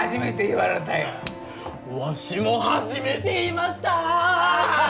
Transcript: わしも初めて言いました！